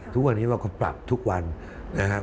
ทุกวันนี้เราก็ปรับทุกวันนะครับ